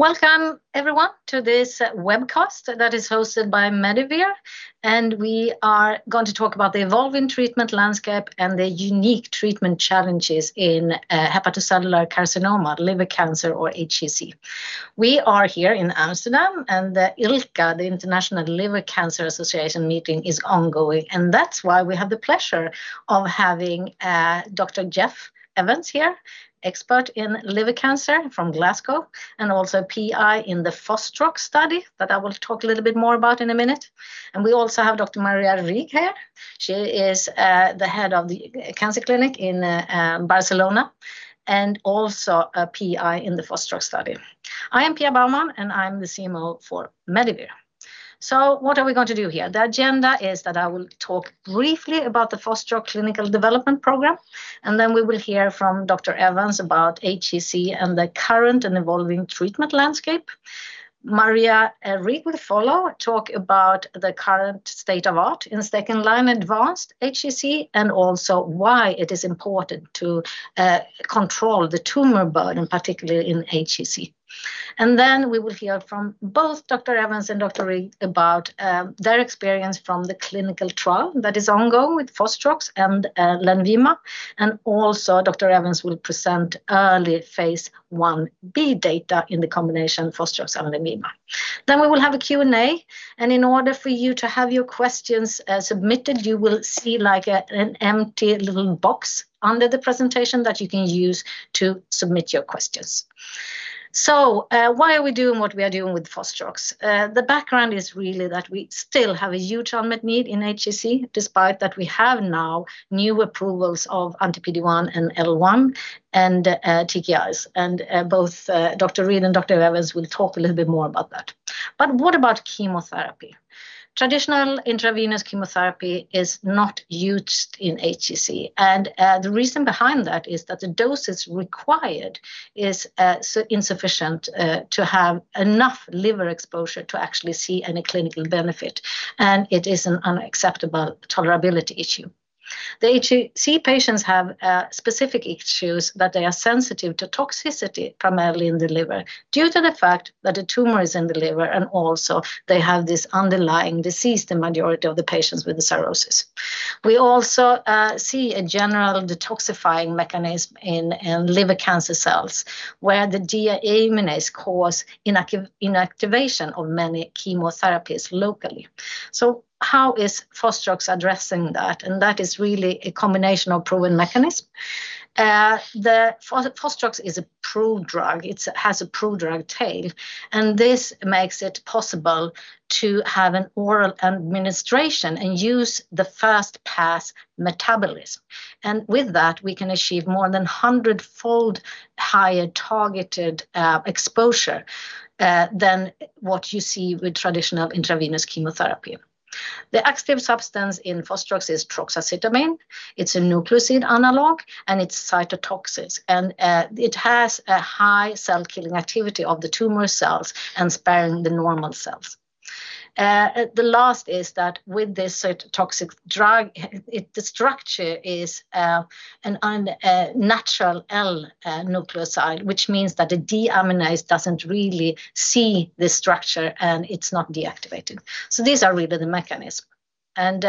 Welcome, everyone, to this webcast that is hosted by Medivir, and we are going to talk about the evolving treatment landscape and the unique treatment challenges in hepatocellular carcinoma, liver cancer, or HCC. We are here in Amsterdam, and the ILCA, the International Liver Cancer Association meeting, is ongoing, and that's why we have the pleasure of having Dr. Jeff Evans here, expert in liver cancer from Glasgow, and also PI in the Fostrox study that I will talk a little bit more about in a minute. We also have Dr. Maria Reig. She is the head of the cancer clinic in Barcelona, and also a PI in the Fostrox study. I am Pia Baumann, and I'm the CMO for Medivir. So what are we going to do here? The agenda is that I will talk briefly about the Fostrox clinical development program, and then we will hear from Dr. Evans about HCC and the current and evolving treatment landscape. Maria Reig will follow, talk about the current state of the art in second-line advanced HCC, and also why it is important to control the tumor burden, particularly in HCC. Then we will hear from both Dr. Evans and Dr. Reig about their experience from the clinical trial that is ongoing with Fostrox and Lenvima. Also Dr. Evans will present early phase 1b data in the combination Fostrox and Lenvima. Then we will have a Q&A, and in order for you to have your questions submitted, you will see, like, an empty little box under the presentation that you can use to submit your questions. So, why are we doing what we are doing with Fostrox? The background is really that we still have a huge unmet need in HCC, despite that we have now new approvals of anti-PD-1 and PD-L1 and TKIs. And both Dr. Reig and Dr. Evans will talk a little bit more about that. But what about chemotherapy? Traditional intravenous chemotherapy is not used in HCC, and the reason behind that is that the doses required is so insufficient to have enough liver exposure to actually see any clinical benefit, and it is an unacceptable tolerability issue. The HCC patients have specific issues, that they are sensitive to toxicity, primarily in the liver, due to the fact that the tumor is in the liver, and also they have this underlying disease, the majority of the patients with the cirrhosis. We also see a general detoxifying mechanism in liver cancer cells, where the deaminases cause inactivation of many chemotherapies locally. So how is Fostrox addressing that? And that is really a combination of proven mechanism. The Fostrox is a prodrug. It has a prodrug tail, and this makes it possible to have an oral administration and use the first-pass metabolism. And with that, we can achieve more than 100-fold higher targeted exposure than what you see with traditional intravenous chemotherapy. The active substance in Fostrox is troxacitabine. It's a nucleoside analog, and it's cytotoxic, and it has a high cell-killing activity of the tumor cells and sparing the normal cells. The last is that with this cytotoxic drug, the structure is an unnatural L-nucleoside, which means that the deaminase doesn't really see the structure, and it's not deactivated. So these are really the mechanism. And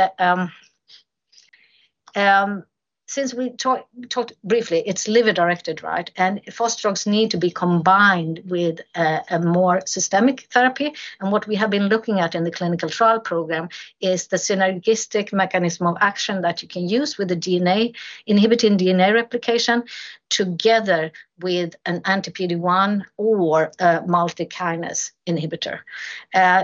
since we talked briefly, it's liver-directed, right? And fostrox need to be combined with a more systemic therapy. And what we have been looking at in the clinical trial program is the synergistic mechanism of action that you can use with the DNA, inhibiting DNA replication, together with an anti-PD-1 or a multi-kinase inhibitor.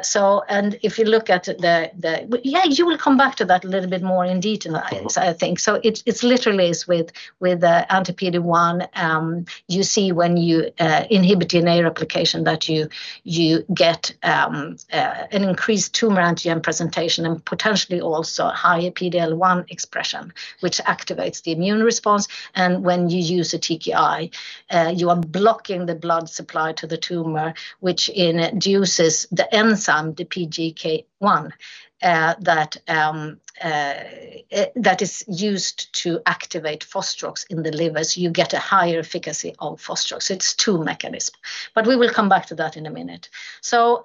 So and if you look at the, yeah, you will come back to that a little bit more in detail, I think. So it's literally with the anti-PD-1, you see when you inhibit DNA replication, that you get an increased tumor antigen presentation and potentially also higher PD-L1 expression, which activates the immune response. And when you use a TKI, you are blocking the blood supply to the tumor, which induces the enzyme, the PGK-1, that is used to activate Fostrox in the liver, so you get a higher efficacy of Fostrox. It's two mechanisms, but we will come back to that in a minute. So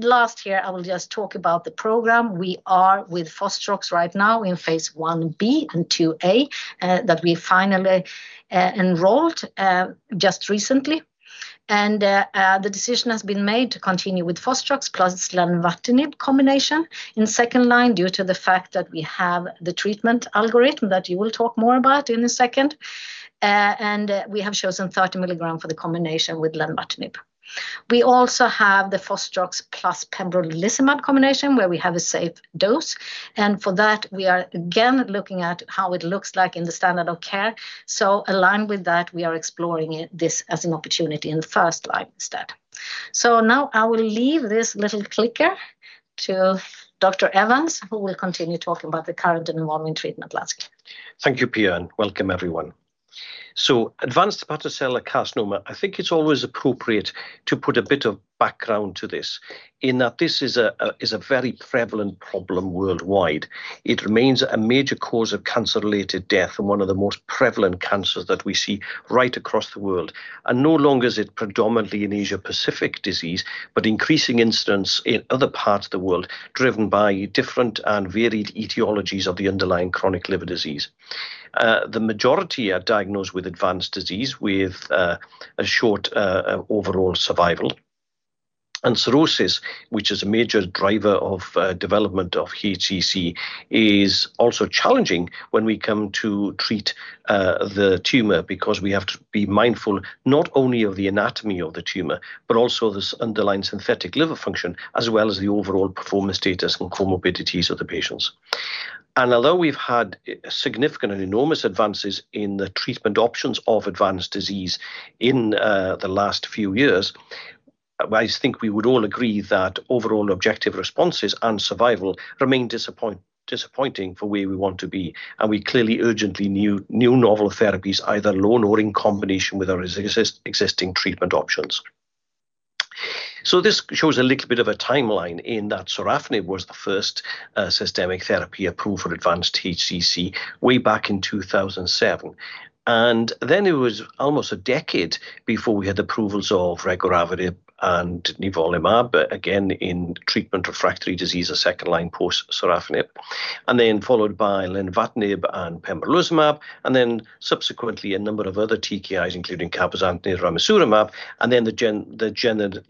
last here, I will just talk about the program. We are with Fostrox right now in phase 1b and 2a that we finally enrolled just recently. The decision has been made to continue with Fostrox plus lenvatinib combination in second line due to the fact that we have the treatment algorithm that you will talk more about in a second. And we have chosen 30 mg for the combination with lenvatinib. We also have the Fostrox plus pembrolizumab combination, where we have a safe dose, and for that, we are again looking at how it looks like in the standard of care. So aligned with that, we are exploring it, this as an opportunity in first line instead. So now I will leave this little clicker to Dr. Evans, who will continue talking about the current and evolving treatment landscape. Thank you, Pia, and welcome, everyone. So advanced hepatocellular carcinoma, I think it's always appropriate to put a bit of background to this, in that this is a very prevalent problem worldwide. It remains a major cause of cancer-related death and one of the most prevalent cancers that we see right across the world. And no longer is it predominantly an Asia-Pacific disease, but increasing incidence in other parts of the world, driven by different and varied etiologies of the underlying chronic liver disease. The majority are diagnosed with advanced disease, with a short overall survival. Cirrhosis, which is a major driver of development of HCC, is also challenging when we come to treat the tumor, because we have to be mindful not only of the anatomy of the tumor, but also this underlying synthetic liver function, as well as the overall performance status and comorbidities of the patients. Although we've had significant and enormous advances in the treatment options of advanced disease in the last few years, I think we would all agree that overall objective responses and survival remain disappointing for where we want to be, and we clearly urgently need new novel therapies, either alone or in combination with our existing treatment options. This shows a little bit of a timeline in that sorafenib was the first systemic therapy approved for advanced HCC way back in 2007. Then it was almost a decade before we had approvals of regorafenib and nivolumab, again, in treatment-refractory disease or second-line post-sorafenib. Then followed by lenvatinib and pembrolizumab, and then subsequently, a number of other TKIs, including cabozantinib, ramucirumab, and then the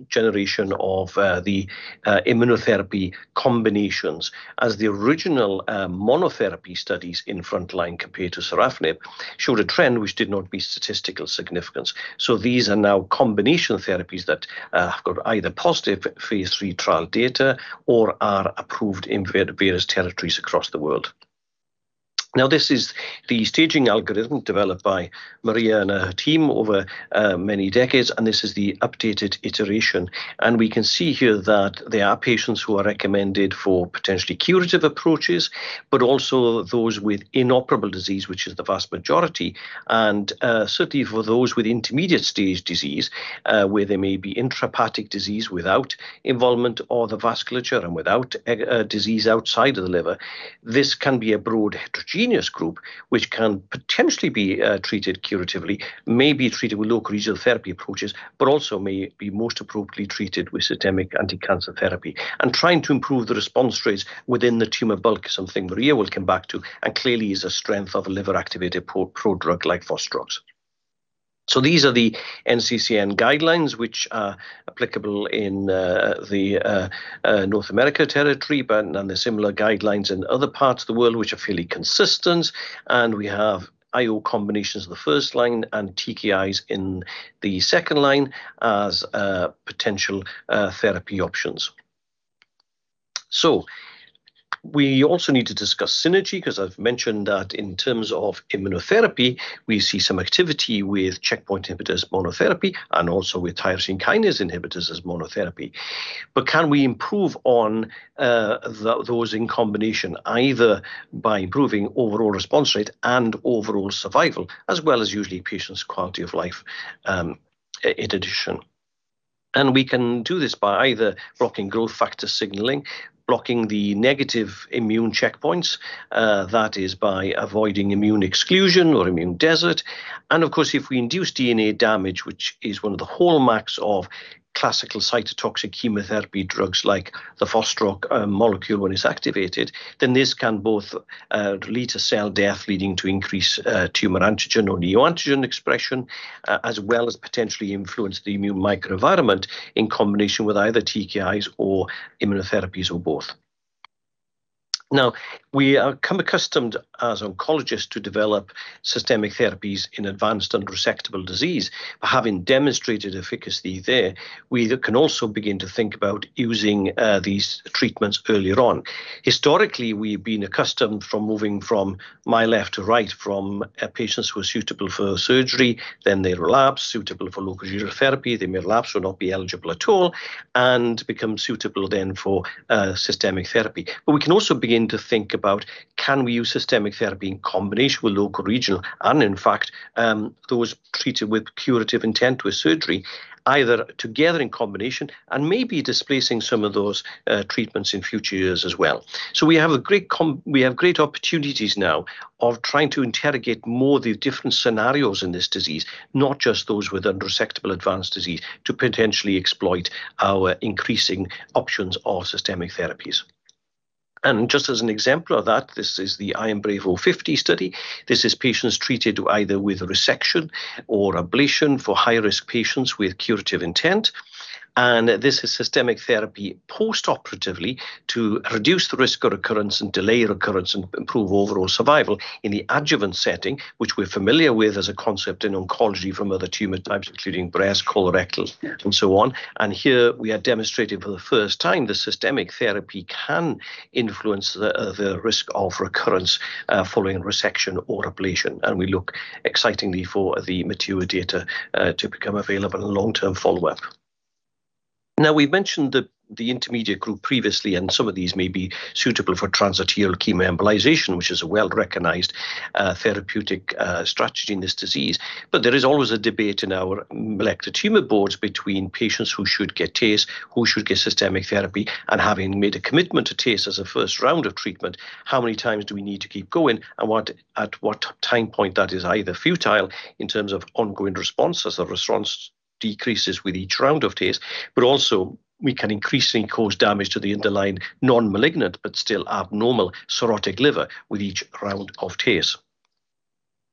generation of the immunotherapy combinations, as the original monotherapy studies in frontline compared to sorafenib showed a trend which did not meet statistical significance. These are now combination therapies that have got either positive phase III trial data or are approved in various territories across the world. Now, this is the staging algorithm developed by Maria and her team over many decades, and this is the updated iteration. And we can see here that there are patients who are recommended for potentially curative approaches, but also those with inoperable disease, which is the vast majority, and certainly for those with intermediate-stage disease, where there may be intrahepatic disease without involvement of the vasculature and without, e.g., disease outside of the liver. This can be a broad heterogeneous group, which can potentially be treated curatively, may be treated with local regional therapy approaches, but also may be most appropriately treated with systemic anticancer therapy. And trying to improve the response rates within the tumor bulk is something Maria will come back to, and clearly is a strength of a liver-activated prodrug like Fostrox. So these are the NCCN guidelines, which are applicable in the North America territory, but and there are similar guidelines in other parts of the world, which are fairly consistent. And we have IO combinations in the first line and TKIs in the second line as potential therapy options. So we also need to discuss synergy, because I've mentioned that in terms of immunotherapy, we see some activity with checkpoint inhibitors monotherapy and also with tyrosine kinase inhibitors as monotherapy. But can we improve on those in combination, either by improving overall response rate and overall survival, as well as usually patient's quality of life in addition? And we can do this by either blocking growth factor signaling, blocking the negative immune checkpoints, that is, by avoiding immune exclusion or immune desert. Of course, if we induce DNA damage, which is one of the hallmarks of classical cytotoxic chemotherapy drugs like the Fostrox molecule when it's activated, then this can both lead to cell death, leading to increased tumor antigen or neoantigen expression, as well as potentially influence the immune microenvironment in combination with either TKIs or immunotherapies or both. Now, we are become accustomed as oncologists to develop systemic therapies in advanced unresectable disease. But having demonstrated efficacy there, we can also begin to think about using these treatments earlier on. Historically, we've been accustomed from moving from my left to right, from patients who are suitable for surgery, then they relapse, suitable for local regional therapy, they may relapse or not be eligible at all, and become suitable then for systemic therapy. But we can also begin to think about, can we use systemic therapy in combination with local regional, and in fact, those treated with curative intent with surgery, either together in combination and maybe displacing some of those treatments in future years as well. So we have great opportunities now of trying to interrogate more the different scenarios in this disease, not just those with unresectable advanced disease, to potentially exploit our increasing options or systemic therapies. And just as an exemplar of that, this is the IMbrave050 study. This is patients treated either with resection or ablation for high-risk patients with curative intent. This is systemic therapy postoperatively to reduce the risk of recurrence and delay recurrence and improve overall survival in the adjuvant setting, which we're familiar with as a concept in oncology from other tumor types, including breast, colorectal, and so on. And here we are demonstrating for the first time that systemic therapy can influence the risk of recurrence following resection or ablation, and we look excitingly for the mature data to become available in long-term follow-up. Now, we've mentioned the intermediate group previously, and some of these may be suitable for transarterial chemoembolization, which is a well-recognized therapeutic strategy in this disease. But there is always a debate in our multidisciplinary tumor boards between patients who should get TACE, who should get systemic therapy, and having made a commitment to TACE as a first round of treatment, how many times do we need to keep going, and at what time point that is either futile in terms of ongoing response, as the response decreases with each round of TACE. But also, we can increasingly cause damage to the underlying non-malignant, but still abnormal cirrhotic liver with each round of TACE.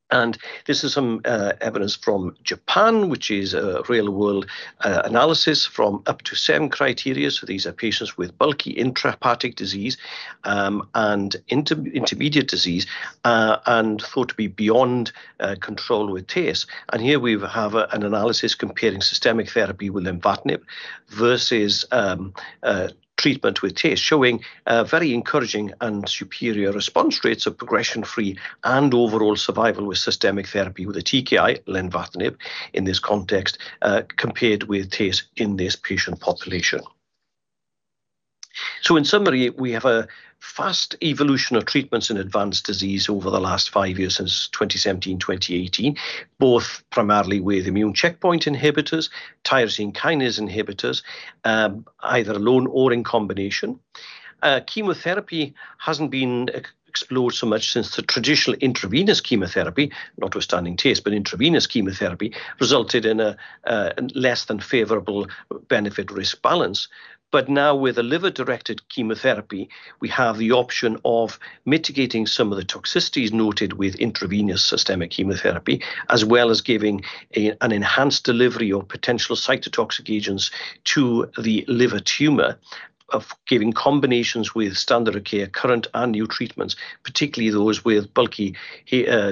And this is some evidence from Japan, which is a real-world analysis from Up-to-7 criteria. So these are patients with bulky intrahepatic disease, and intermediate disease, and thought to be beyond control with TACE. Here we have an analysis comparing systemic therapy with lenvatinib versus treatment with TACE, showing very encouraging and superior response rates of progression-free and overall survival with systemic therapy, with a TKI, lenvatinib, in this context, compared with TACE in this patient population. In summary, we have a fast evolution of treatments in advanced disease over the last five years, since 2017, 2018, both primarily with immune checkpoint inhibitors, tyrosine kinase inhibitors, either alone or in combination. Chemotherapy hasn't been explored so much since the traditional intravenous chemotherapy, notwithstanding TACE, but intravenous chemotherapy resulted in a less than favorable benefit-risk balance. But now, with the liver-directed chemotherapy, we have the option of mitigating some of the toxicities noted with intravenous systemic chemotherapy, as well as giving an enhanced delivery of potential cytotoxic agents to the liver tumor, of giving combinations with standard of care, current and new treatments, particularly those with bulky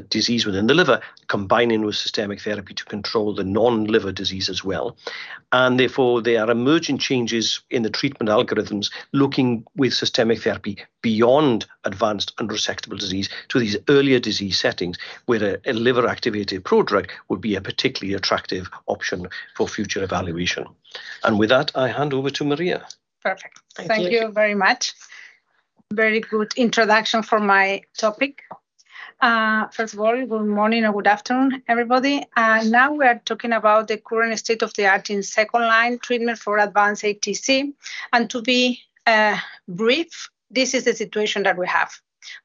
disease within the liver, combining with systemic therapy to control the non-liver disease as well. And therefore, there are emerging changes in the treatment algorithms, looking with systemic therapy beyond advanced unresectable disease to these earlier disease settings, where a liver-activated prodrug would be a particularly attractive option for future evaluation. And with that, I hand over to Maria. Perfect. Thank you. Thank you very much. Very good introduction for my topic. First of all, good morning or good afternoon, everybody. Now we are talking about the current state of the art in second-line treatment for advanced ATC. To be brief, this is the situation that we have.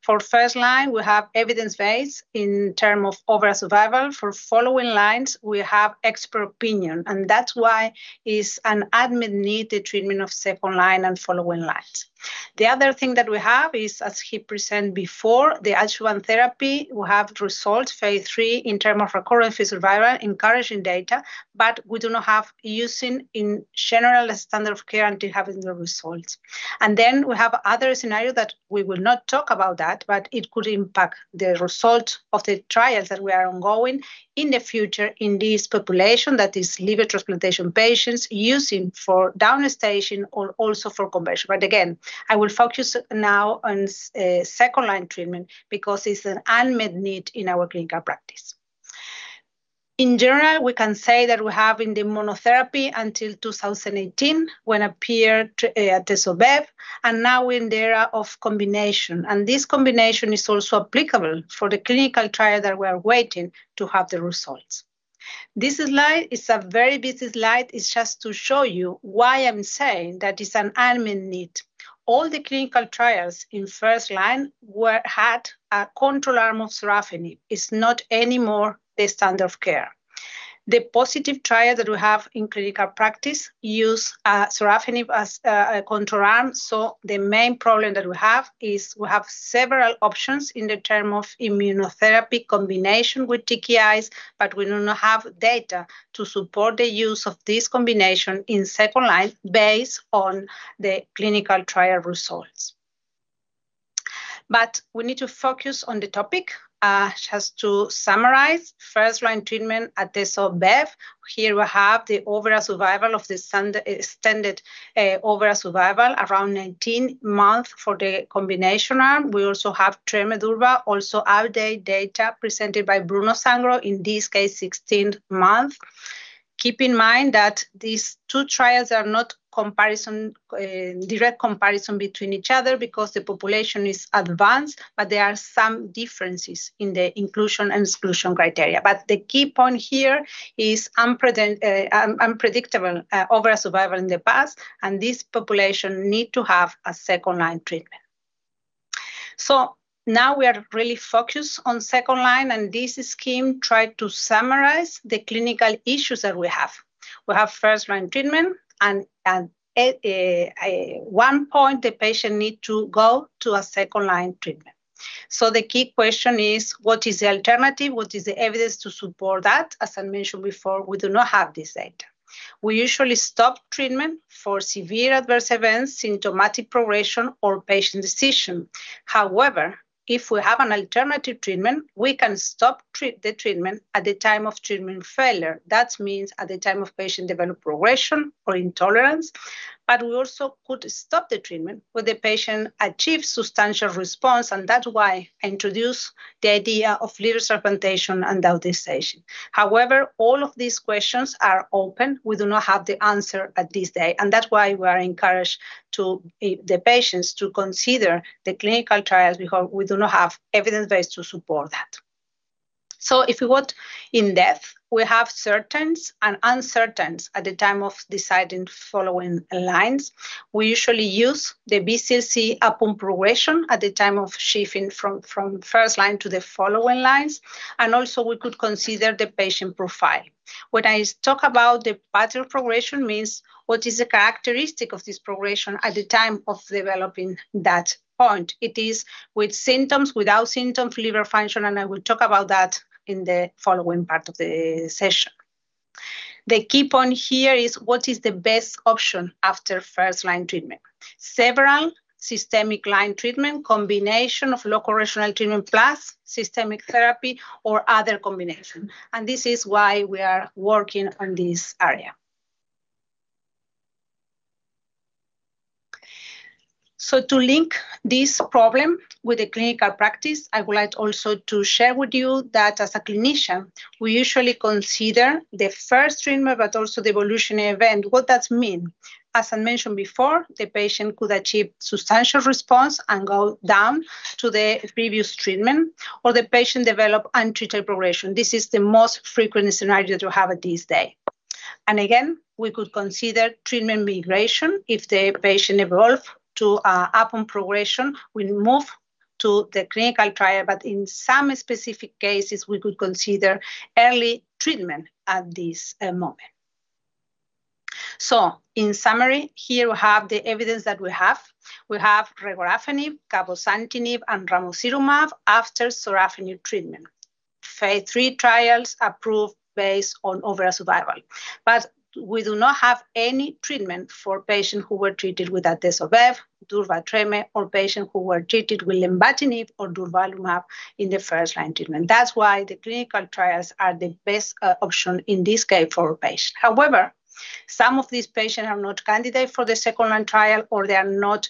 For first line, we have evidence base in term of overall survival. For following lines, we have expert opinion, and that's why is an unmet need, the treatment of second line and following lines. The other thing that we have is, as he presented before, the adjuvant therapy. We have results, phase III, in term of recurrence free survival, encouraging data, but we do not have using in general standard of care until having the results. Then we have other scenario that we will not talk about that, but it could impact the result of the trials that we are ongoing in the future in this population, that is liver transplantation patients using for downstage or also for conversion. But again, I will focus now on second-line treatment because it's an unmet need in our clinical practice. In general, we can say that we have in the monotherapy until 2018, when appeared, Atezo-bev, and now we're in the era of combination. And this combination is also applicable for the clinical trial that we are waiting to have the results. This slide is a very busy slide. It's just to show you why I'm saying that it's an unmet need. All the clinical trials in first line had a control arm of sorafenib. It's not anymore the standard of care. The positive trial that we have in clinical practice use sorafenib as a control arm, so the main problem that we have is we have several options in the term of immunotherapy combination with TKIs, but we do not have data to support the use of this combination in second line based on the clinical trial results. But we need to focus on the topic. Just to summarize, first-line treatment, Atezo-bev. Here we have the overall survival of the standard extend overall survival, around 19 months for the combination arm. We also have tremelimumab, also outdated data presented by Bruno Sangro, in this case, 16 months. Keep in mind that these two trials are not comparison, direct comparison between each other because the population is advanced, but there are some differences in the inclusion and exclusion criteria. But the key point here is unpredictable overall survival in the past, and this population need to have a second-line treatment. So now we are really focused on second line, and this scheme try to summarize the clinical issues that we have. We have first-line treatment and at one point, the patient need to go to a second-line treatment. So the key question is: What is the alternative? What is the evidence to support that? As I mentioned before, we do not have this data. We usually stop treatment for severe adverse events, symptomatic progression, or patient decision. However, if we have an alternative treatment, we can stop the treatment at the time of treatment failure. That means at the time of patient develop progression or intolerance. but we also could stop the treatment when the patient achieves substantial response, and that's why I introduce the idea of liver transplantation and downstaging. However, all of these questions are open. We do not have the answer at this day, and that's why we encourage the patients to consider the clinical trials because we do not have evidence base to support that. So if we go in-depth, we have certainties and uncertainties at the time of deciding following lines. We usually use the BCLC upon progression at the time of shifting from first line to the following lines, and also we could consider the patient profile. When I talk about the pattern of progression, means what is the characteristic of this progression at the time of developing that point? It is with symptoms, without symptoms, liver function, and I will talk about that in the following part of the session. The key point here is, what is the best option after first-line treatment? Several systemic line treatment, combination of local regional treatment, plus systemic therapy or other combination, and this is why we are working on this area. So to link this problem with the clinical practice, I would like also to share with you that as a clinician, we usually consider the first treatment, but also the evolutionary event. What that mean? As I mentioned before, the patient could achieve substantial response and go down to the previous treatment, or the patient develop untreated progression. This is the most frequent scenario to have at this day. Again, we could consider treatment migration if the patient evolve to, upon progression, we move to the clinical trial, but in some specific cases, we could consider early treatment at this, moment. In summary, here we have the evidence that we have. We have regorafenib, cabozantinib, and ramucirumab after sorafenib treatment. Phase III trials approved based on overall survival. But we do not have any treatment for patients who were treated with Atezo-bev, Durval-trem or patients who were treated with lenvatinib or durvalumab in the first-line treatment. That's why the clinical trials are the best, option in this case for a patient. However, some of these patients are not candidate for the second-line trial, or they are not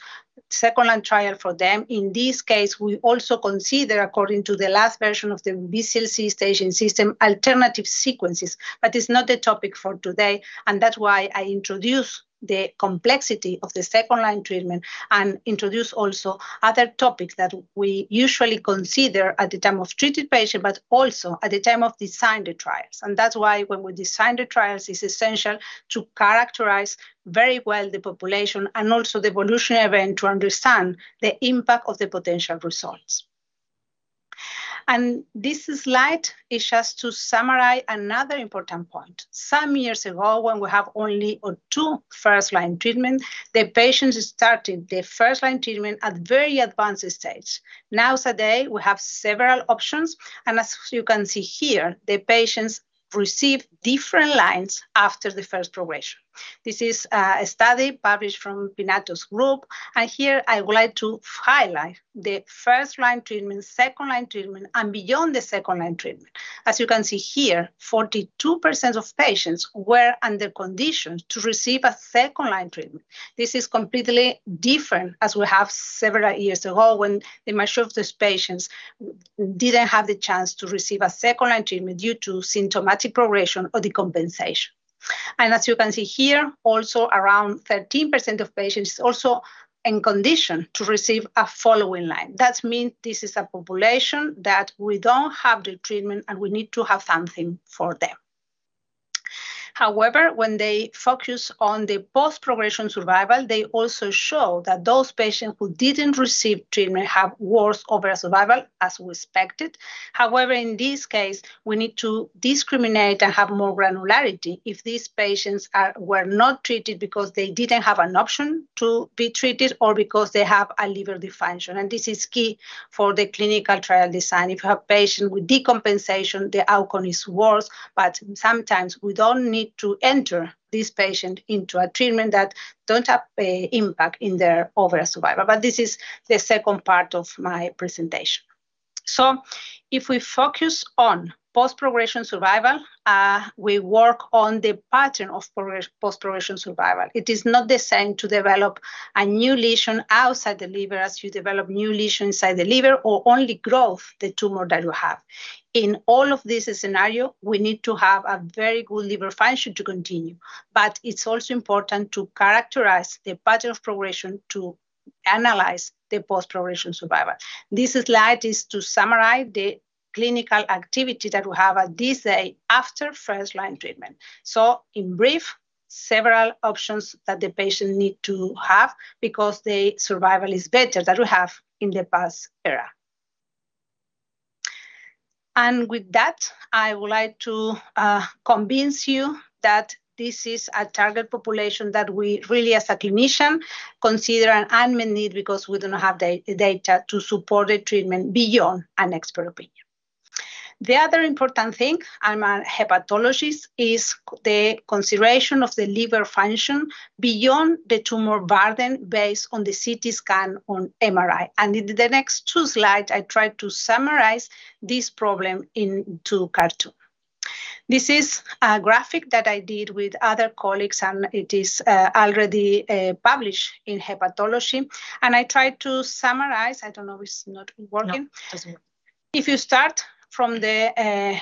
second-line trial for them. In this case, we also consider, according to the last version of the BCLC staging system, alternative sequences, but it's not the topic for today. That's why I introduce the complexity of the second-line treatment and introduce also other topics that we usually consider at the time of treated patient, but also at the time of designing the trials. That's why when we design the trials, it's essential to characterize very well the population and also the evolutionary event to understand the impact of the potential results. This slide is just to summarize another important point. Some years ago, when we have only two first-line treatment, the patients started the first-line treatment at very advanced stage. Now today, we have several options, and as you can see here, the patients receive different lines after the first progression. This is a study published from Pinato's group, and here I would like to highlight the first-line treatment, second-line treatment, and beyond the second-line treatment. As you can see here, 42% of patients were under condition to receive a second-line treatment. This is completely different as we have several years ago, when the majority of these patients didn't have the chance to receive a second-line treatment due to symptomatic progression or decompensation. As you can see here, also, around 13% of patients is also in condition to receive a following line. That means this is a population that we don't have the treatment, and we need to have something for them. However, when they focus on the post-progression survival, they also show that those patients who didn't receive treatment have worse overall survival, as we expected. However, in this case, we need to discriminate and have more granularity if these patients were not treated because they didn't have an option to be treated or because they have a liver dysfunction, and this is key for the clinical trial design. If you have a patient with decompensation, the outcome is worse, but sometimes we don't need to enter this patient into a treatment that don't have a impact in their overall survival. But this is the second part of my presentation. So if we focus on post-progression survival, we work on the pattern of post-progression survival. It is not the same to develop a new lesion outside the liver as you develop new lesion inside the liver, or only growth the tumor that you have. In all of this scenario, we need to have a very good liver function to continue, but it's also important to characterize the pattern of progression to analyze the post-progression survival. This slide is to summarize the clinical activity that we have at this stage after first-line treatment. So in brief, several options that the patient need to have because the survival is better than we have in the past era. And with that, I would like to convince you that this is a target population that we really, as a clinician, consider an unmet need because we do not have the data to support the treatment beyond an expert opinion. The other important thing, I'm a hepatologist, is the consideration of the liver function beyond the tumor burden based on the CT scan on MRI. In the next 2 slides, I try to summarize this problem into cartoon. This is a graphic that I did with other colleagues, and it is already published in Hepatology, and I tried to summarize. I don't know, it's not working? No, it doesn't. If you start from the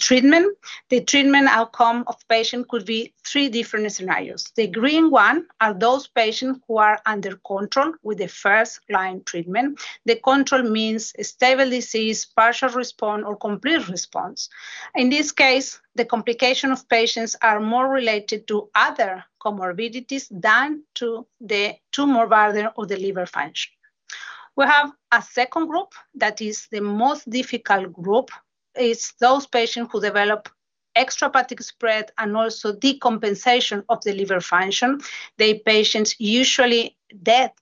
treatment outcome of patient could be three different scenarios. The green one are those patients who are under control with the first-line treatment. The control means a stable disease, partial response, or complete response. In this case, the complication of patients are more related to other comorbidities than to the tumor burden or the liver function. We have a second group that is the most difficult group, those patients who develop extrahepatic spread and also decompensation of the liver function. The patients usually death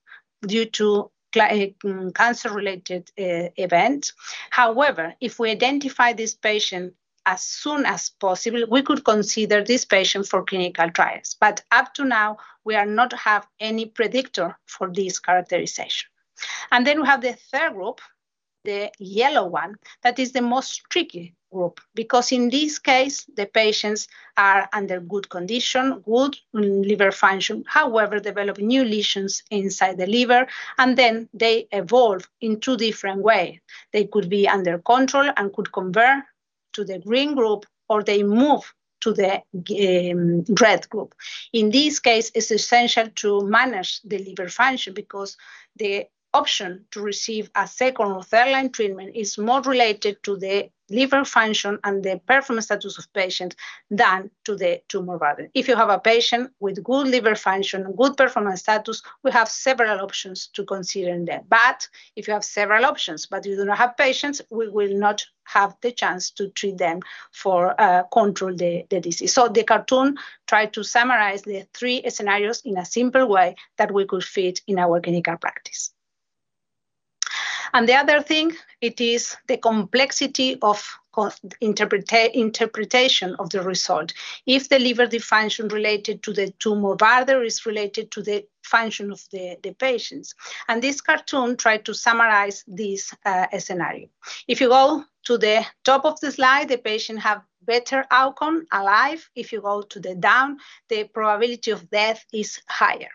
due to cancer-related event. However, if we identify this patient as soon as possible, we could consider this patient for clinical trials. But up to now, we are not have any predictor for this characterization. And then we have the third group, the yellow one. That is the most tricky group because in this case, the patients are under good condition, good liver function, however, develop new lesions inside the liver, and then they evolve in two different way. They could be under control and could convert to the green group, or they move to the red group. In this case, it's essential to manage the liver function because the option to receive a second or third-line treatment is more related to the liver function and the performance status of patient than to the tumor burden. If you have a patient with good liver function, good performance status, we have several options to consider in that. But if you have several options, but you do not have patients, we will not have the chance to treat them for control the disease. So the cartoon try to summarize the three scenarios in a simple way that we could fit in our clinical practice. And the other thing, it is the complexity of interpretation of the result. If the liver dysfunction related to the tumor burden is related to the function of the patients, and this cartoon tried to summarize this scenario. If you go to the top of the slide, the patient have better outcome, alive. If you go to the down, the probability of death is higher,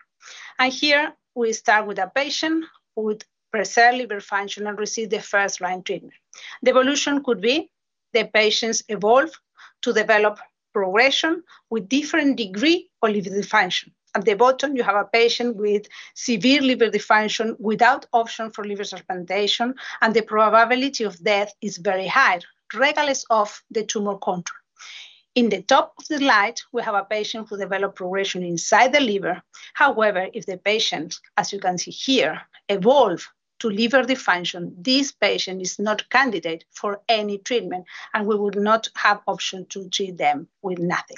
and here we start with a patient with preserved liver function and receive the first-line treatment. The evolution could be the patients evolve to develop progression with different degree of liver dysfunction. At the bottom, you have a patient with severe liver dysfunction, without option for liver transplantation, and the probability of death is very high, regardless of the tumor control. In the top of the slide, we have a patient who develop progression inside the liver. However, if the patient, as you can see here, evolve to liver dysfunction, this patient is not candidate for any treatment, and we would not have option to treat them with nothing.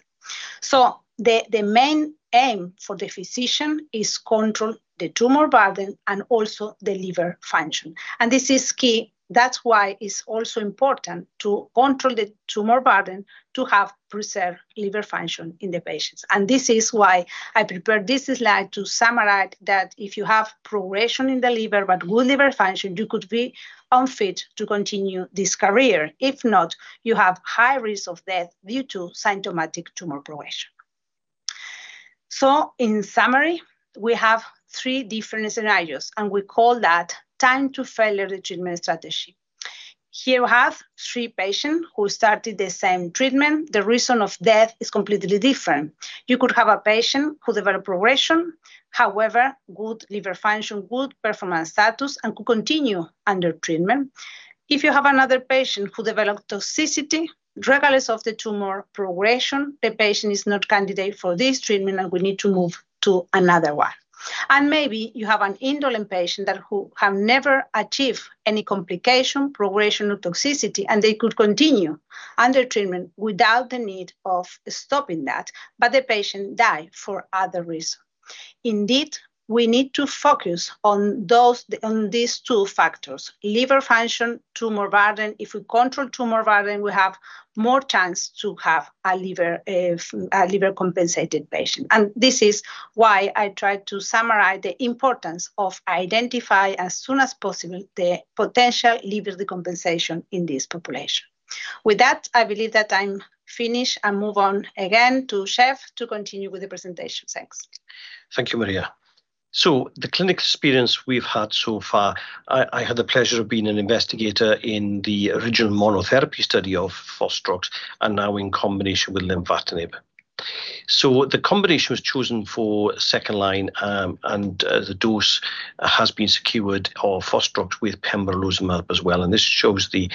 So the main aim for the physician is control the tumor burden and also the liver function, and this is key. That's why it's also important to control the tumor burden, to have preserved liver function in the patients. And this is why I prepared this slide, to summarize that if you have progression in the liver but good liver function, you could be unfit to continue this career. If not, you have high risk of death due to symptomatic tumor progression. So in summary, we have three different scenarios, and we call that time to failure the treatment strategy. Here we have three patient who started the same treatment. The reason of death is completely different. You could have a patient who develop progression, however, good liver function, good performance status, and could continue under treatment. If you have another patient who developed toxicity, regardless of the tumor progression, the patient is not candidate for this treatment, and we need to move to another one. And maybe you have an indolent patient who have never achieved any complication, progression, or toxicity, and they could continue under treatment without the need of stopping that, but the patient die for other reason. Indeed, we need to focus on those, on these two factors: liver function, tumor burden. If we control tumor burden, we have more chance to have a liver, a liver-compensated patient, and this is why I tried to summarize the importance of identify as soon as possible the potential liver decompensation in this population. With that, I believe that I'm finished and move on again to Jeff to continue with the presentation. Thanks. Thank you, Maria. So the clinical experience we've had so far, I had the pleasure of being an investigator in the original monotherapy study of Fostrox and now in combination with lenvatinib. So the combination was chosen for second line, and the dose has been secured of Fostrox with pembrolizumab as well, and this shows the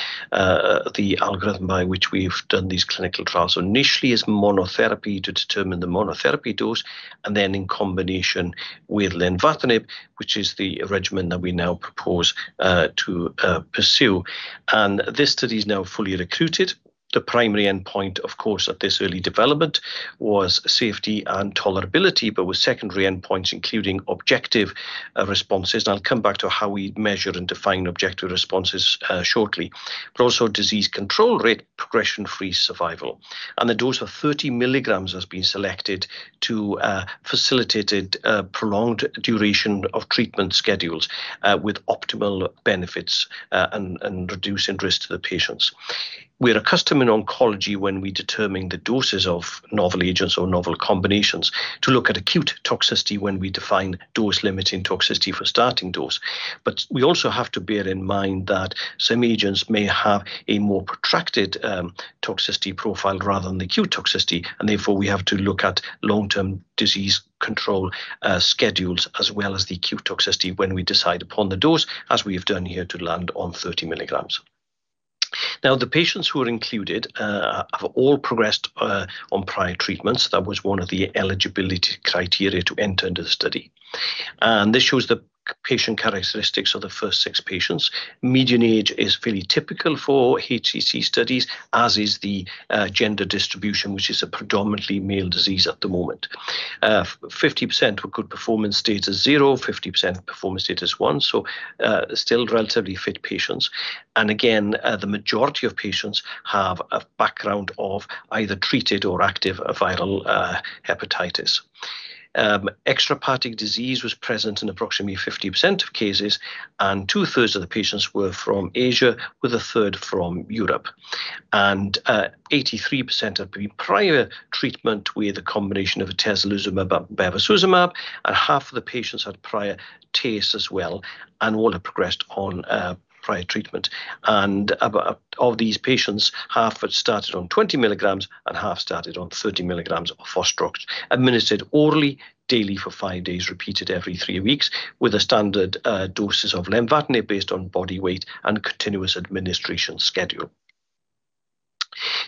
algorithm by which we've done these clinical trials. So initially, it's monotherapy to determine the monotherapy dose, and then in combination with lenvatinib, which is the regimen that we now propose to pursue. And this study is now fully recruited. The primary endpoint, of course, at this early development was safety and tolerability, but with secondary endpoints, including objective responses. I'll come back to how we measure and define objective responses shortly. But also disease control rate, progression-free survival, and the dose of 30 mg has been selected to facilitate a prolonged duration of treatment schedules with optimal benefits, and reducing risk to the patients. We're accustomed in oncology when we determine the doses of novel agents or novel combinations to look at acute toxicity when we define dose-limiting toxicity for starting dose. But we also have to bear in mind that some agents may have a more protracted toxicity profile rather than acute toxicity, and therefore, we have to look at long-term disease control schedules, as well as the acute toxicity when we decide upon the dose, as we have done here, to land on 30 mg. Now, the patients who are included have all progressed on prior treatments. That was one of the eligibility criteria to enter into the study. This shows the patient characteristics of the first 6 patients. Median age is fairly typical for HCC studies, as is the gender distribution, which is a predominantly male disease at the moment. 50% were good performance status 0, 50% performance status 1, so still relatively fit patients. Again, the majority of patients have a background of either treated or active viral hepatitis. Extrahepatic disease was present in approximately 50% of cases, and 2/3 of the patients were from Asia, with 1/3 from Europe. 83% had prior treatment with a combination of atezolizumab-bevacizumab, and half of the patients had prior TACE as well, and all had progressed on prior treatment. Of these patients, half had started on 20 mg, and half started on 30 mg of Fostrox administered orally, daily for five days, repeated every three weeks, with standard doses of lenvatinib based on body weight and continuous administration schedule.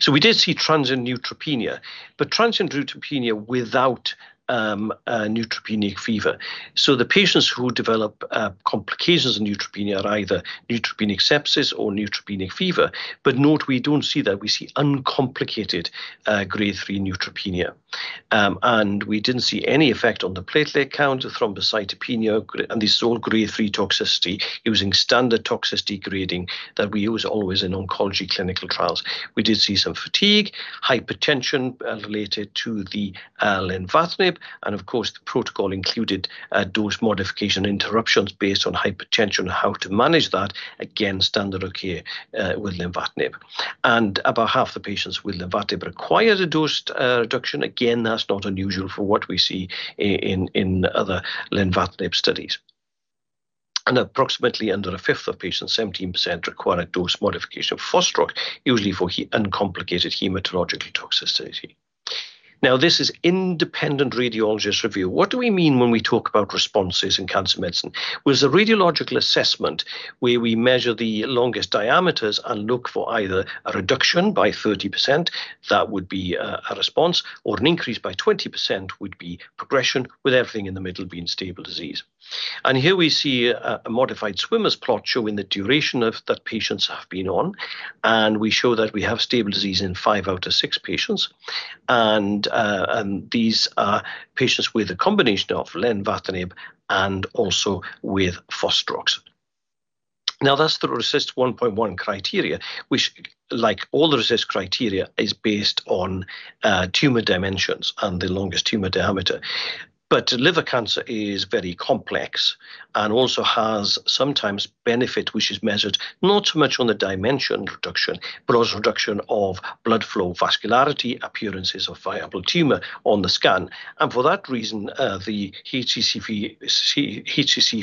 So we did see transient neutropenia, but transient neutropenia without neutropenic fever. So the patients who develop complications of neutropenia are either neutropenic sepsis or neutropenic fever, but note we don't see that. We see uncomplicated Grade 3 neutropenia. And we didn't see any effect on the platelet count or thrombocytopenia, and this is all Grade 3 toxicity, using standard toxicity grading that we use always in oncology clinical trials. We did see some fatigue, hypotension, related to the lenvatinib, and of course, the protocol included dose modification interruptions based on hypotension, how to manage that, again, standard of care with lenvatinib. And about half the patients with lenvatinib required a dose reduction. Again, that's not unusual for what we see in other lenvatinib studies. And approximately under a fifth of patients, 17%, required a dose modification of Fostrox, usually for uncomplicated hematological toxicity. Now, this is independent radiologist review. What do we mean when we talk about responses in cancer medicine? Well, it's a radiological assessment where we measure the longest diameters and look for either a reduction by 30%, that would be a response, or an increase by 20% would be progression, with everything in the middle being stable disease. And here we see a modified swimmer plot showing the duration of the patients have been on, and we show that we have stable disease in five out of six patients, and these are patients with a combination of lenvatinib and also with Fostrox. Now, that's the RECIST 1.1 criteria, which, like all the RECIST criteria, is based on tumor dimensions and the longest tumor diameter. But liver cancer is very complex and also has sometimes benefit, which is measured not so much on the dimension reduction, but also reduction of blood flow, vascularity, appearances of viable tumor on the scan. And for that reason, the HCC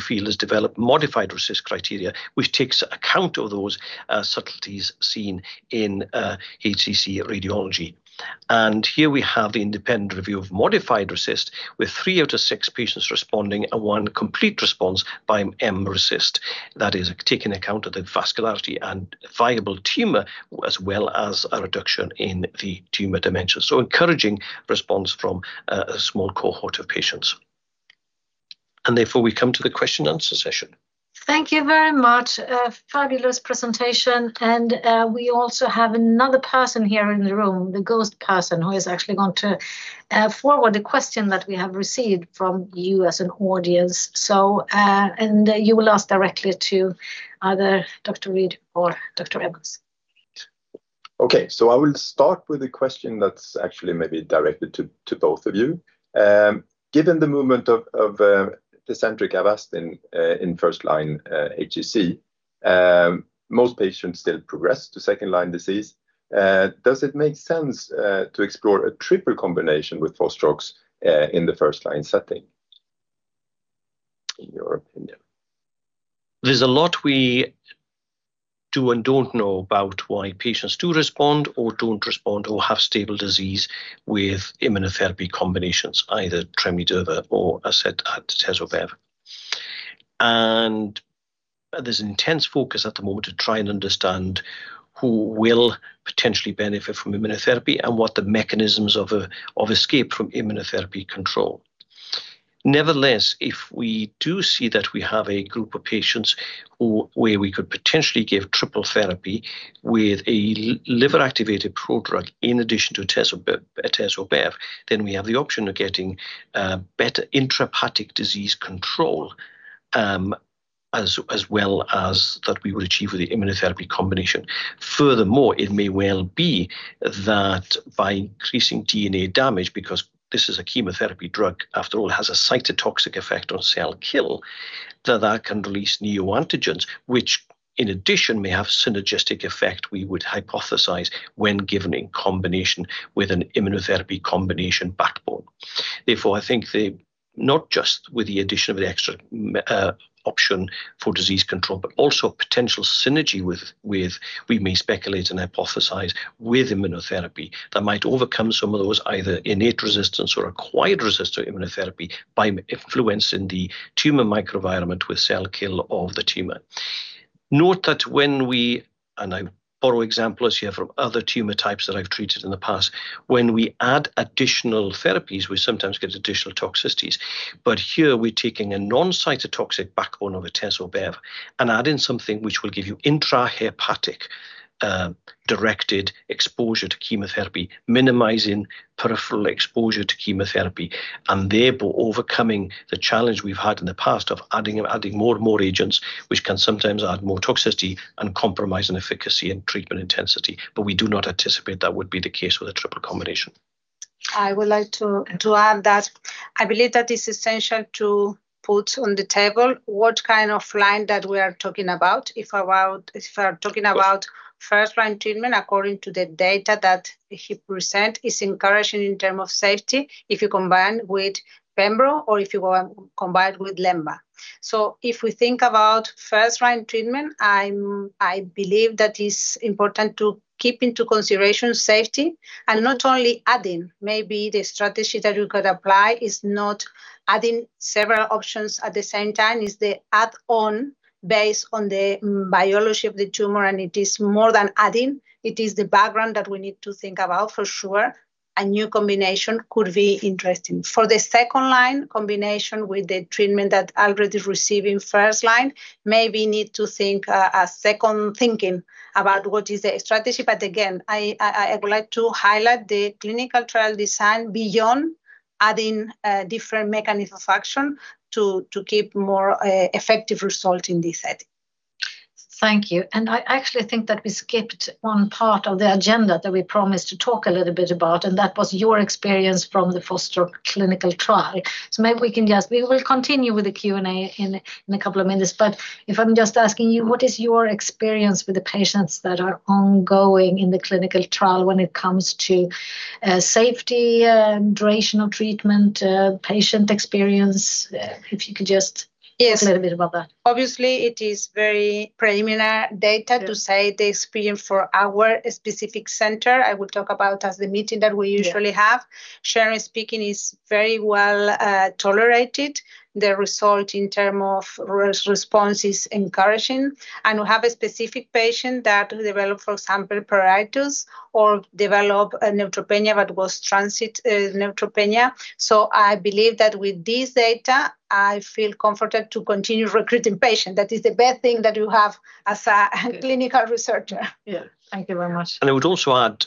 field has developed modified RECIST criteria, which takes account of those subtleties seen in HCC radiology. Here we have the independent review of modified RECIST, with 3 out of 6 patients responding and 1 complete response by mRECIST. That is, taking account of the vascularity and viable tumor, as well as a reduction in the tumor dimension. Encouraging response from a small cohort of patients. Therefore, we come to the question and answer session. Thank you very much. A fabulous presentation, and we also have another person here in the room, the ghost person, who is actually going to forward the question that we have received from you as an audience. So, and you will ask directly to either Dr. Reig or Dr. Evans. Okay, so I will start with a question that's actually maybe directed to both of you. Given the advent of Avastin in first-line HCC, most patients still progress to second-line disease. Does it make sense to explore a triple combination with Fostrox in the first-line setting, in your opinion? There's a lot we do and don't know about why patients do respond or don't respond or have stable disease with immunotherapy combinations, either tremelimumab or, as said, Atezo-bev. There's intense focus at the moment to try and understand who will potentially benefit from immunotherapy and what the mechanisms of escape from immunotherapy control. Nevertheless, if we do see that we have a group of patients who where we could potentially give triple therapy with a liver-activated prodrug in addition to Atezo. Atezo-bev, then we have the option of getting better intrahepatic disease control, as, as well as that we would achieve with the immunotherapy combination. Furthermore, it may well be that by increasing DNA damage, because this is a chemotherapy drug, after all, has a cytotoxic effect on cell kill, that that can release neoantigens, which in addition may have synergistic effect, we would hypothesize, when given in combination with an immunotherapy combination backbone. Therefore, I think the not just with the addition of the extra option for disease control, but also a potential synergy with, with, we may speculate and hypothesize, with immunotherapy that might overcome some of those either innate resistance or acquired resistance to immunotherapy by influencing the tumor microenvironment with cell kill of the tumor. Note that when we, and I borrow examples here from other tumor types that I've treated in the past, when we add additional therapies, we sometimes get additional toxicities. But here we're taking a non-cytotoxic backbone of Atezo-bev and adding something which will give you intrahepatic, directed exposure to chemotherapy, minimizing peripheral exposure to chemotherapy, and therefore overcoming the challenge we've had in the past of adding more and more agents, which can sometimes add more toxicity and compromising efficacy and treatment intensity. But we do not anticipate that would be the case with a triple combination. I would like to add that I believe that it's essential to put on the table what kind of line that we are talking about. If we are talking about- Yes First-line treatment, according to the data that he present, is encouraging in term of safety, if you combine with pembro or if you are combined with lenva. So if we think about first-line treatment, I'm, I believe that it's important to keep into consideration safety and not only adding. Maybe the strategy that we could apply is not adding several options at the same time, it's the add-on based on the biology of the tumor, and it is more than adding. It is the background that we need to think about for sure, a new combination could be interesting. For the second-line combination with the treatment that already receiving first line, maybe need to think, a second thinking about what is the strategy. But again, I would like to highlight the clinical trial design beyond adding different mechanism function to keep more effective result in this setting. Thank you. And I actually think that we skipped one part of the agenda that we promised to talk a little bit about, and that was your experience from the Fostrox clinical trial. So maybe we can just, we will continue with the Q&A in a couple of minutes, but if I'm just asking you, what is your experience with the patients that are ongoing in the clinical trial when it comes to safety, duration of treatment, patient experience? If you could just- Yes A little bit about that. Obviously, it is very preliminary data- Yeah To say the experience for our specific center. I will talk about as the meeting that we usually have. Yeah. The treatment is very well tolerated. The result in terms of response is encouraging, and we have a specific patient that developed, for example, pruritus or developed a neutropenia that was transient neutropenia. So I believe that with this data, I feel comforted to continue recruiting patient. That is the best thing that you have as a clinical researcher. Yeah. Thank you very much. And I would also add,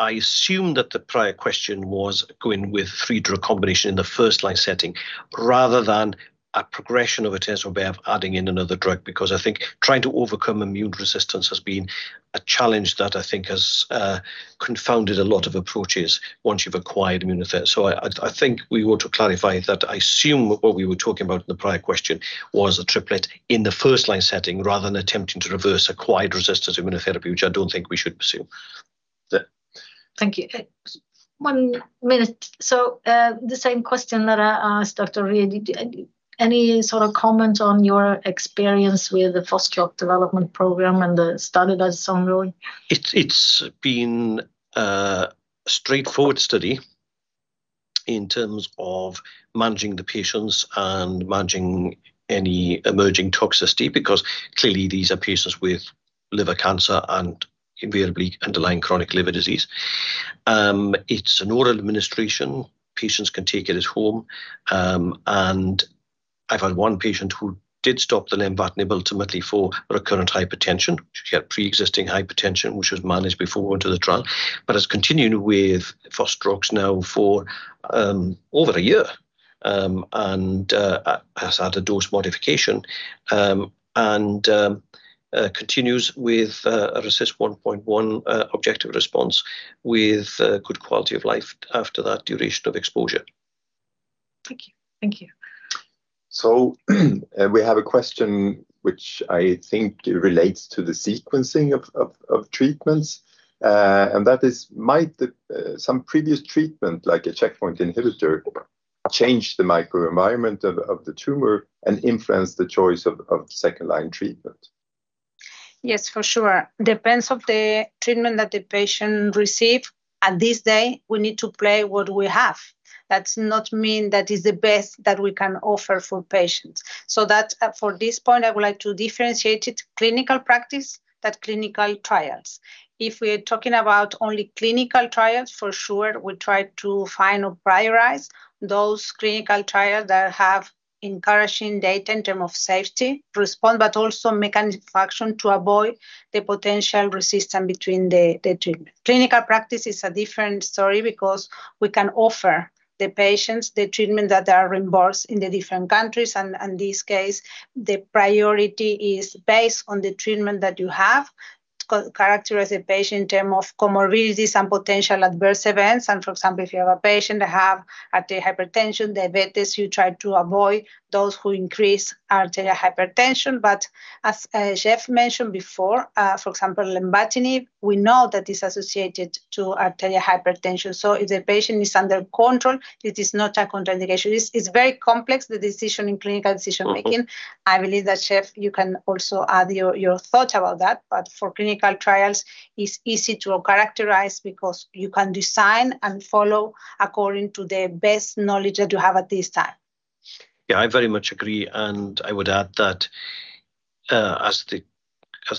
I assume that the prior question was going with three-drug combination in the first-line setting, rather than a progression of Atezo bev adding in another drug, because I think trying to overcome immune resistance has been a challenge that I think has confounded a lot of approaches once you've acquired immunotherapy. So I think we want to clarify that I assume what we were talking about in the prior question was a triplet in the first-line setting, rather than attempting to reverse acquired resistance to immunotherapy, which I don't think we should pursue. Yeah. Thank you. One minute. So, the same question that I asked Dr. Reig, did you, any sort of comment on your experience with the Fostrox development program and the study that is ongoing? It's been a straightforward study in terms of managing the patients and managing any emerging toxicity, because clearly, these are patients with liver cancer and invariably underlying chronic liver disease. It's an oral administration. Patients can take it at home. I've had one patient who did stop the lenvatinib ultimately for recurrent hypertension. She had preexisting hypertension, which was managed before we went to the trial, but has continued with Fostrox now for over a year, and has had a dose modification, and continues with a RECIST 1.1 objective response with good quality of life after that duration of exposure. Thank you. Thank you. We have a question which I think relates to the sequencing of treatments, and that is: might some previous treatment, like a checkpoint inhibitor, change the microenvironment of the tumor and influence the choice of second-line treatment? Yes, for sure. Depends of the treatment that the patient receive, at this day, we need to play what we have. That's not mean that is the best that we can offer for patients. So that, at for this point, I would like to differentiate it, clinical practice, that clinical trials. If we're talking about only clinical trials, for sure, we try to find or prioritize those clinical trial that have encouraging data in term of safety, response, but also mechanism of action to avoid the potential resistance between the, the treatment. Clinical practice is a different story because we can offer the patients the treatment that are reimbursed in the different countries, and, and this case, the priority is based on the treatment that you have to character as a patient in term of comorbidities and potential adverse events. For example, if you have a patient that have arterial hypertension, diabetes, you try to avoid those who increase arterial hypertension. But as Jeff mentioned before, for example, lenvatinib, we know that it's associated to arterial hypertension. So if the patient is under control, it is not a contraindication. It's very complex, the decision in clinical decision-making. Mm-hmm. I believe that, Jeff, you can also add your thought about that, but for clinical trials, it's easy to characterize because you can design and follow according to the best knowledge that you have at this time. Yeah, I very much agree, and I would add that, as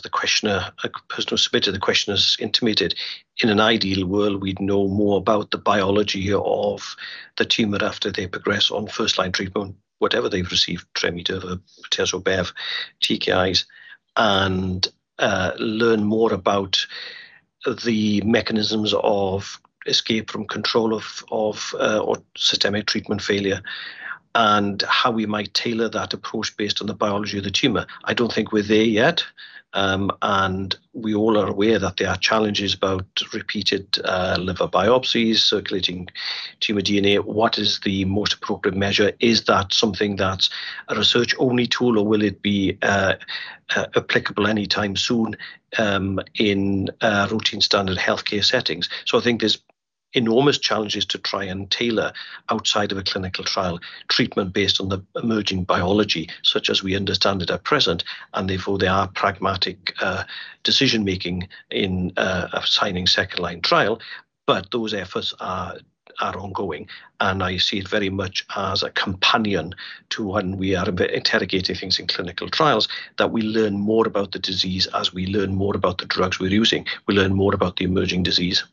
the questioner, person who submitted the question has intimated, in an ideal world, we'd know more about the biology of the tumor after they progress on first-line treatment, whatever they've received, tremelimumab, ipilimumab, TKIs, and learn more about the mechanisms of escape from control of, or systemic treatment failure, and how we might tailor that approach based on the biology of the tumor. I don't think we're there yet. And we all are aware that there are challenges about repeated liver biopsies, circulating tumor DNA. What is the most appropriate measure? Is that something that's a research-only tool, or will it be applicable anytime soon, in routine standard healthcare settings? So I think there's enormous challenges to try and tailor outside of a clinical trial, treatment based on the emerging biology, such as we understand it at present, and therefore, there are pragmatic decision-making in assigning second-line trial, but those efforts are, are ongoing. And I see it very much as a companion to when we are a bit interrogating things in clinical trials, that we learn more about the disease as we learn more about the drugs we're using. We learn more about the emerging disease.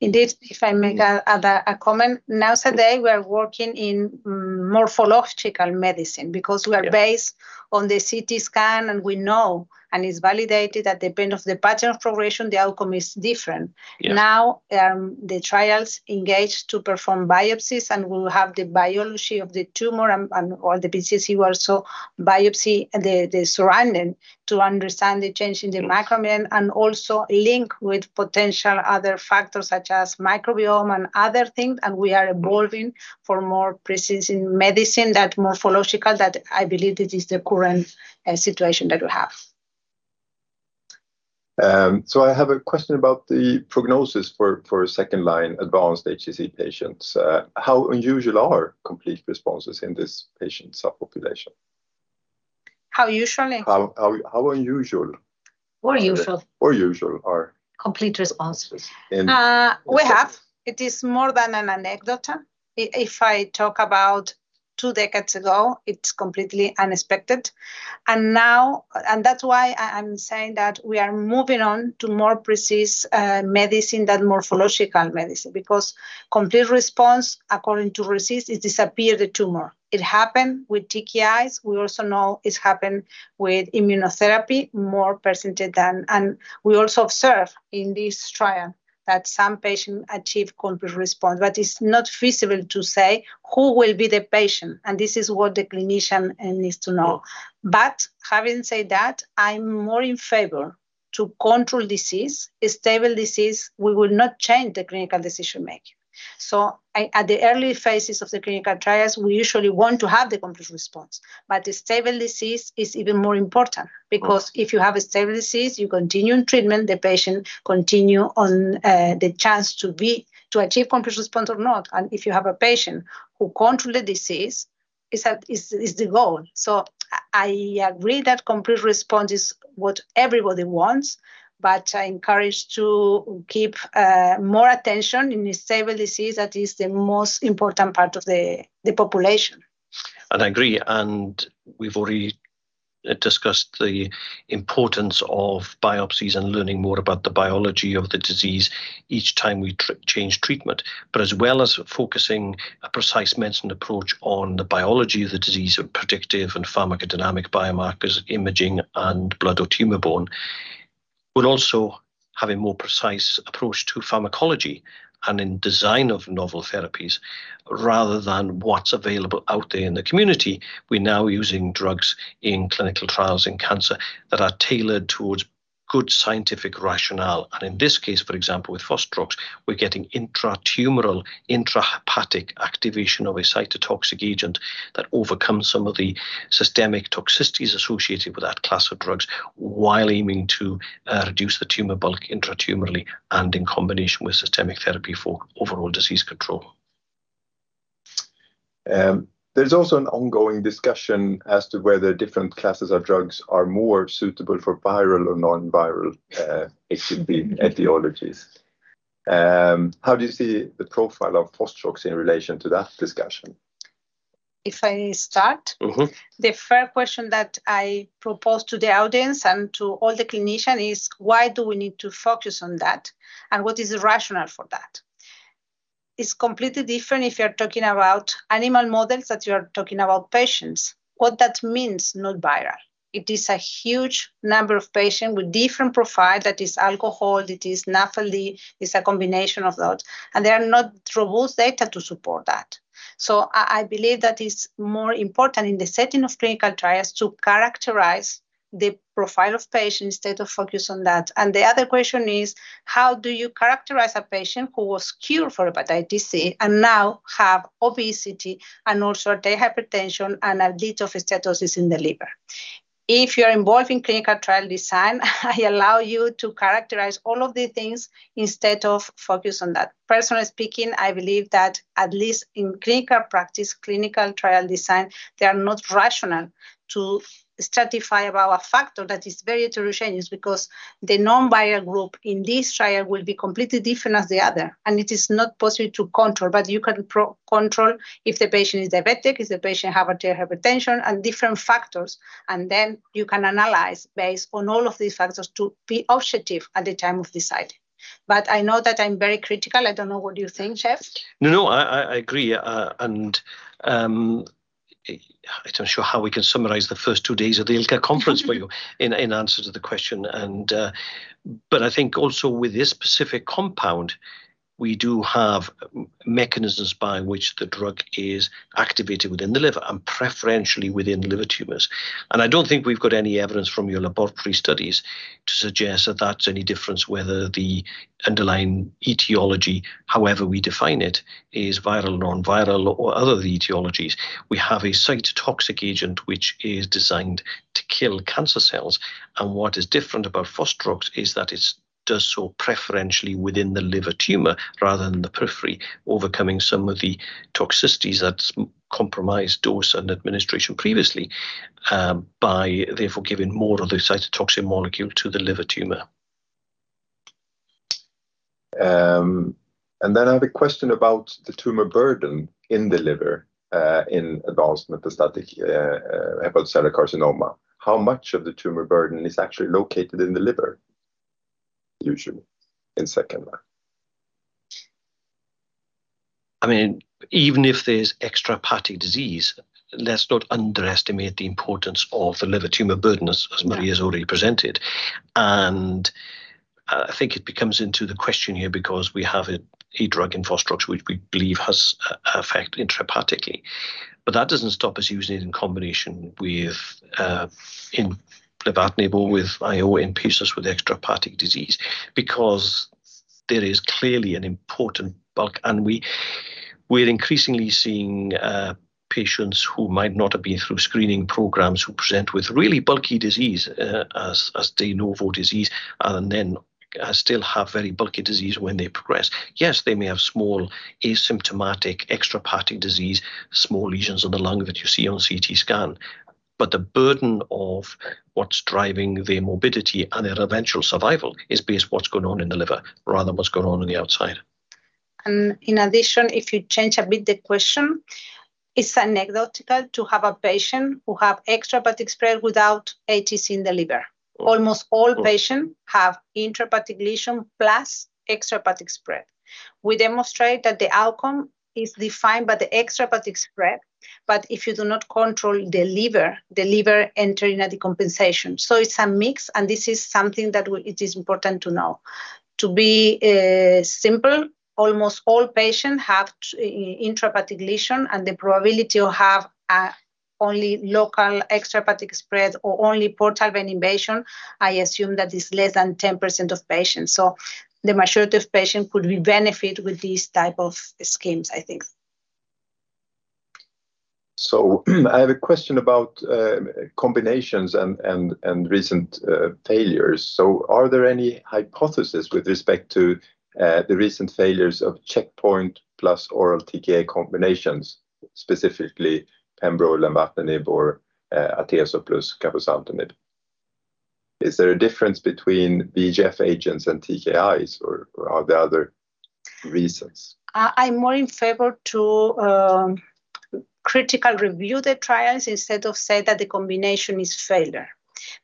Indeed, if I make a comment. Sure. Nowadays, we are working in morphological medicine- Yeah Because we are based on the CT scan, and we know, and it's validated that depending on the pattern of progression, the outcome is different. Yeah. Now, the trials engage to perform biopsies, and we will have the biology of the tumor and all the BCLC also biopsy the surrounding to understand the change in the microenvironment- Yes and also link with potential other factors such as microbiome and other things, and we are evolving for more precision medicine, that morphological, that I believe it is the current situation that we have. I have a question about the prognosis for second-line advanced HCC patients. How unusual are complete responses in this patient subpopulation? How usually? How unusual- Or usual. Or usual are- Complete responses. In, uh- We have. It is more than an anecdote. If I talk about two decades ago, it's completely unexpected. Now, that's why I'm saying that we are moving on to more precise medicine than morphological medicine, because complete response, according to RECIST, it disappear the tumor. It happened with TKIs. We also know it's happened with immunotherapy, more percentage than. We also observe in this trial that some patient achieve complete response, but it's not feasible to say who will be the patient, and this is what the clinician needs to know. Yeah. Having said that, I'm more in favor to control disease. A stable disease, we will not change the clinical decision-making. At the early phases of the clinical trials, we usually want to have the complete response, but a stable disease is even more important. Right. Because if you have a stable disease, you continue in treatment, the patient continue on, the chance to achieve complete response or not. And if you have a patient who control the disease, is that the goal. So I agree that complete response is what everybody wants, but I encourage to give more attention in a stable disease. That is the most important part of the population. And I agree, and we've already discussed the importance of biopsies and learning more about the biology of the disease each time we change treatment. But as well as focusing on a precision medicine approach on the biology of the disease of predictive and pharmacodynamic biomarkers, imaging, and blood- or tumor-based, we're also having a more precise approach to pharmacology and the design of novel therapies rather than what's available out there in the community. We're now using drugs in clinical trials in cancer that are tailored towards good scientific rationale. And in this case, for example, with Fostrox, we're getting intratumoral, intrahepatic activation of a cytotoxic agent that overcomes some of the systemic toxicities associated with that class of drugs, while aiming to reduce the tumor bulk intratumorally and in combination with systemic therapy for overall disease control. There's also an ongoing discussion as to whether different classes of drugs are more suitable for viral or non-viral HCC etiologies. How do you see the profile of Fostrox in relation to that discussion? If I start? Mm-hmm. The first question that I propose to the audience and to all the clinician is, why do we need to focus on that, and what is the rationale for that? It's completely different if you're talking about animal models, that you're talking about patients. What that means, not viral. It is a huge number of patients with different profile, that is alcohol, it is NAFLD, it's a combination of that, and there are not robust data to support that. So I, I believe that it's more important in the setting of clinical trials to characterize the profile of patients instead of focus on that. And the other question is: How do you characterize a patient who was cured for hepatitis C and now have obesity and also they hypertension and a little steatosis in the liver? If you're involved in clinical trial design, I allow you to characterize all of these things instead of focus on that. Personally speaking, I believe that at least in clinical practice, clinical trial design, they are not rational to stratify about a factor that is very heterogeneous, because the non-viral group in this trial will be completely different as the other, and it is not possible to control. But you can properly control if the patient is diabetic, if the patient have hypertension and different factors, and then you can analyze based on all of these factors to be objective at the time of deciding. But I know that I'm very critical. I don't know, what do you think, Jeff? No, no, I agree. I'm not sure how we can summarize the first two days of the ILCA conference for you in answer to the question, but I think also with this specific compound, we do have mechanisms by which the drug is activated within the liver and preferentially within the liver tumors. I don't think we've got any evidence from your laboratory studies to suggest that that's any difference, whether the underlying etiology, however we define it, is viral, non-viral, or other etiologies. We have a cytotoxic agent, which is designed to kill cancer cells, and what is different about Fostrox is that it does so preferentially within the liver tumor rather than the periphery, overcoming some of the toxicities that's compromised dose and administration previously, by therefore giving more of the cytotoxic molecule to the liver tumor. I have a question about the tumor burden in the liver in advanced metastatic hepatocellular carcinoma. How much of the tumor burden is actually located in the liver, usually, in second line? I mean, even if there's extrahepatic disease, let's not underestimate the importance of the liver tumor burden, as- Yeah Maria has already presented. And, I think it becomes into the question here, because we have a drug infrastructure, which we believe has effect intrahepatically. But that doesn't stop us using it in combination with lenvatinib or with IO in patients with extrahepatic disease, because there is clearly an important bulk. And we're increasingly seeing patients who might not have been through screening programs, who present with really bulky disease, as de novo disease, and then still have very bulky disease when they progress. Yes, they may have small, asymptomatic, extrahepatic disease, small lesions on the lung that you see on CT scan, but the burden of what's driving their morbidity and their eventual survival is based on what's going on in the liver rather than what's going on on the outside. In addition, if you change a bit the question, it's anecdotal to have a patient who have extrahepatic spread without TACE in the liver. Mm. Almost all patients have intrahepatic lesion plus extrahepatic spread. We demonstrate that the outcome is defined by the extrahepatic spread, but if you do not control the liver, the liver enter into decompensation. So it's a mix, and this is something that it is important to know. To be, simple, almost all patients have intrahepatic lesion, and the probability to have, only local extrahepatic spread or only portal vein invasion, I assume that is less than 10% of patients. So the majority of patients could benefit with these type of schemes, I think. I have a question about combinations and recent failures. Are there any hypothesis with respect to the recent failures of checkpoint plus oral TKI combinations, specifically pembrolizumab, nivolumab, or atezo plus cabozantinib? Is there a difference between VEGF agents and TKIs, or are there other reasons? I'm more in favor to critical review the trials instead of say that the combination is failure.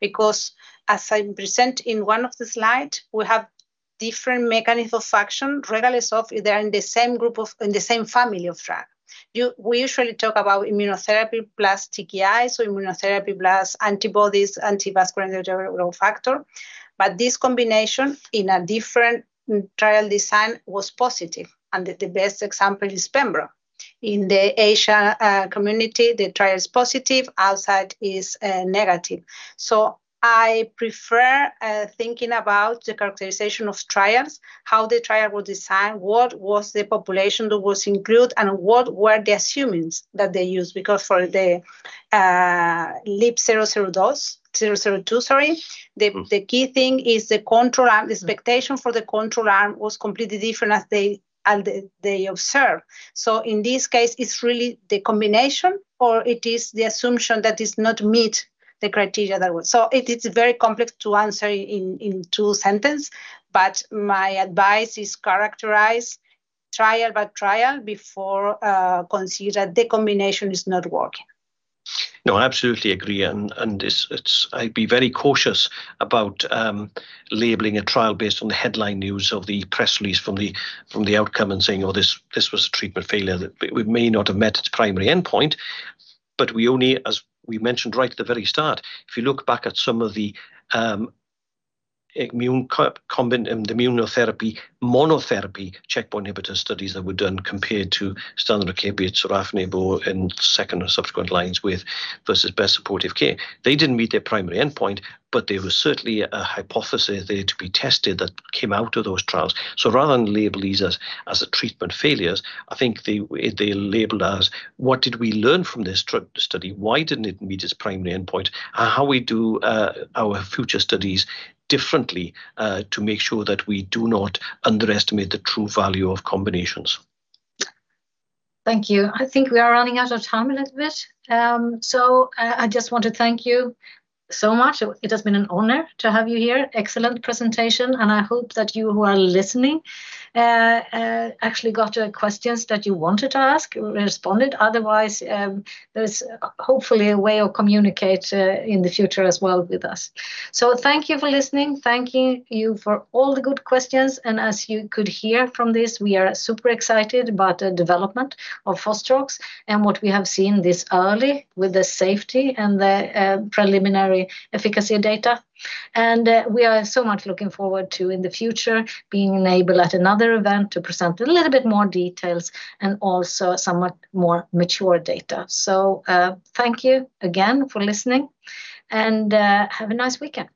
Because as I present in one of the slide, we have different mechanism function, regardless of if they're in the same group of- in the same family of drug. We usually talk about immunotherapy plus TKIs or immunotherapy plus antibodies, anti-vascular endothelial growth factor, but this combination in a different trial design was positive, and the best example is Pembro. In the Asia community, the trial is positive, outside is negative. So I prefer thinking about the characterization of trials, how the trial was designed, what was the population that was included, and what were the assumptions that they used? Because for the LEAP-002. Mm The key thing is the control arm. Mm. The expectation for the control arm was completely different as they, and they observed. So in this case, it's really the combination, or it is the assumption that is not meet the criteria that was. So it is very complex to answer in two sentences, but my advice is characterize- Trial by trial before consider the combination is not working. No, I absolutely agree, and it's—I'd be very cautious about labeling a trial based on the headline news of the press release from the outcome and saying, "Oh, this was a treatment failure." That it may not have met its primary endpoint, but we only, as we mentioned right at the very start, if you look back at some of the immunotherapy monotherapy checkpoint inhibitor studies that were done compared to standard of care, be it sorafenib or in second or subsequent lines with versus best supportive care. They didn't meet their primary endpoint, but there was certainly a hypothesis there to be tested that came out of those trials. So rather than label these as a treatment failures, I think they, if they're labeled as, "What did we learn from this study? Why didn't it meet its primary endpoint? And how we do our future studies differently to make sure that we do not underestimate the true value of combinations? Thank you. I think we are running out of time a little bit. So, I just want to thank you so much. It has been an honor to have you here. Excellent presentation, and I hope that you who are listening, actually got your questions that you wanted to ask responded. Otherwise, there's hopefully a way of communicate, in the future as well with us. So thank you for listening. Thank you for all the good questions, and as you could hear from this, we are super excited about the development of Fostrox and what we have seen this early with the safety and the, preliminary efficacy data. And, we are so much looking forward to, in the future, being able at another event to present a little bit more details and also somewhat more mature data. Thank you again for listening, and have a nice weekend!